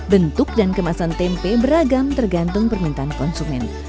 bentuk dan kemasan tempe beragam tergantung permintaan konsumen